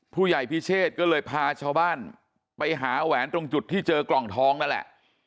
ผู้ใหญ่พิเชษก็เลยพาชาวบ้านไปหาแหวนตรงจุดที่เจอกล่องทองนั่นแหละ